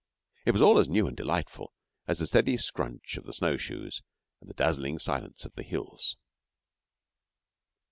It was all as new and delightful as the steady 'scrunch' of the snow shoes and the dazzling silence of the hills.